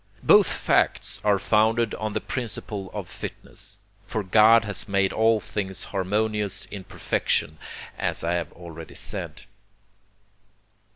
Both facts are founded on the principle of fitness, ... for God has made all things harmonious in perfection as I have already said."